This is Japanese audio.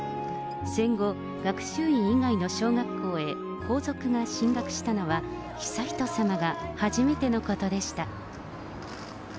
戦後、学習院以外の小学校へ皇族が進学したのは悠仁さまが初めてのことでした。